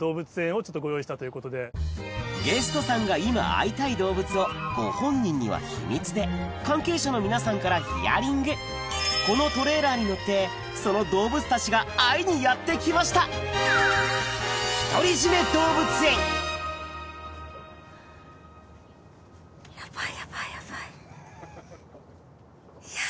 ゲストさんが今会いたい動物をご本人には秘密で関係者の皆さんからヒアリングこのトレーラーに乗ってその動物たちが会いにやって来ましたやぁ！